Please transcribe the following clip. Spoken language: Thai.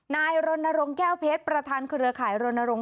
นายรณรงค์แก้วเพชรประธานเครือข่ายรณรงค